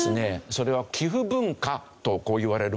それは寄付文化といわれるものですね。